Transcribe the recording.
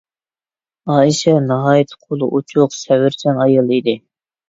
ئائىشە ناھايىتى قولى ئوچۇق، سەۋرچان ئايال ئىدى.